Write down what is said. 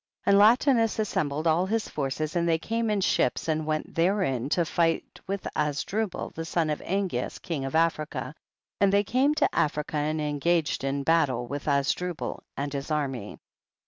10. And Latinus assembled all his forces, and they came in ships, and went therein to fight with Azdrubal son of Angeas king of Africa, and they came to Africa and engaged in battle with Azdrubal and his army.